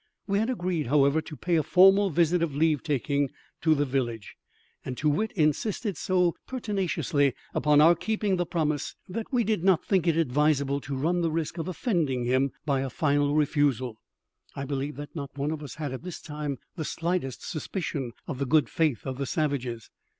We had agreed, however, to pay a formal visit of leave taking to the village, and Too wit insisted so pertinaciously upon our keeping the promise that we did not think it advisable to run the risk of offending him by a final refusal. I believe that not one of us had at this time the slightest suspicion of the good faith of the savages.